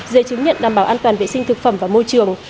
dây chứng nhận đảm bảo an toàn vệ sinh thực phẩm và môi trường